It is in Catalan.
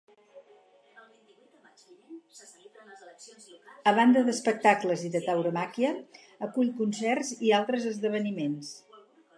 A banda d'espectacles de tauromàquia, acull concerts i altres esdeveniments.